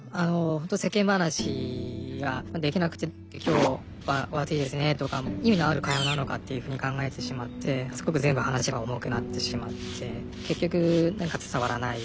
ほんと世間話ができなくて「今日はお暑いですね」とかも意味のある会話なのかっていうふうに考えてしまってすごく全部話が重くなってしまって結局なんか伝わらない。